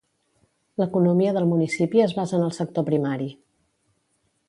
L’economia del municipi es basa en el sector primari.